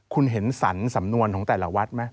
คุณเห็นสรรสำนวนของแต่ละวัดไหม